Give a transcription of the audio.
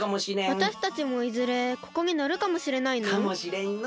わたしたちもいずれここにのるかもしれないの？かもしれんの。